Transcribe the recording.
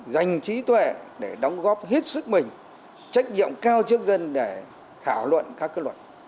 dành trí tuệ để đóng góp hết sức mình trách nhiệm cao trước dân để thảo luận các luật